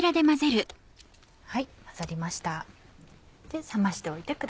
混ざりました。